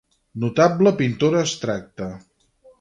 Notable pintora abstracta.